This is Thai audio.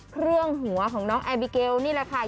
เครื่องหัวของน้องแอบิเกลนี่แหละค่ะ